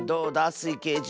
スイけいじ。